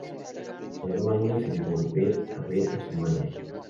Tardó años en volver a ver su madre.